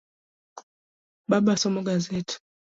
Baba somo gaset.